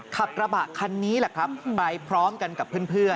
ขับกระบะคันนี้แหละครับไปพร้อมกันกับเพื่อน